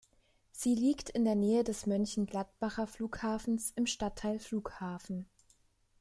Sie liegt in der Nähe des Mönchengladbacher Flughafens im Stadtteil Flughafen.